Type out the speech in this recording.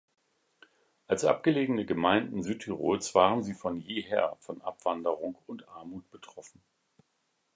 Als abgelegene Gemeinden Südtirols waren sie von jeher von Abwanderung und Armut betroffen.